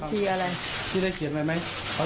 ที่เลยมันที่อะไร